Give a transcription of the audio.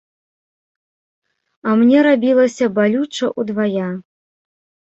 А мне рабілася балюча ўдвая.